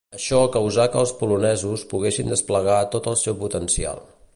Això causà que els polonesos poguessin desplegar tot el seu potencial.